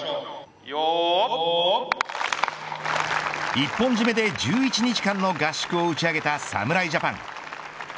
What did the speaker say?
一本締めで１１日間の合宿を打ち上げた侍ジャパン。